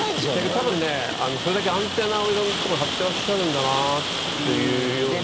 多分ね、それだけアンテナを色んなところに張ってらっしゃるんだなというような。